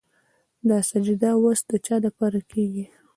دا سجده وس د چا دپاره کيږي